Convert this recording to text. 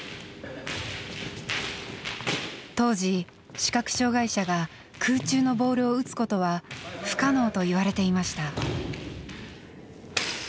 当時視覚障害者が空中のボールを打つことは不可能と言われていました。